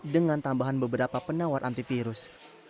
dengan tambahan beberapa penawar antivirus